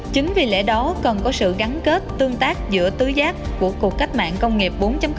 chính vì lẽ đó cần có sự gắn kết tương tác giữa tứ giác của cuộc cách mạng công nghiệp bốn